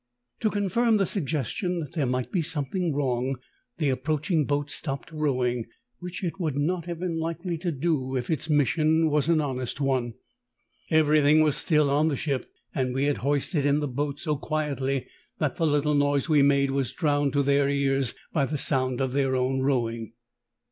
To con firm the suggestion that there might be something wrong, the approaching boat stopped rowing, which it would not have been likely to do if its mission was an honest one. Everything was still on the ship, and we had hoisted in the boat so quietly that the little noise we made was drowned to their ears by the sound of their own rowing.